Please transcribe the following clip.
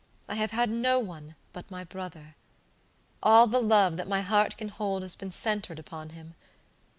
I have had no one but my brother. All the love that my heart can hold has been centered upon him.